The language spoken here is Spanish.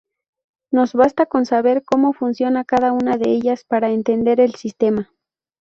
Nos basta con saber cómo funciona cada una de ellas para entender el sistema.